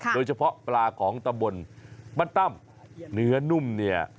โดยเฉพาะปลาของตำบลบ้านตั้มเนื้อนุ่มเนี่ย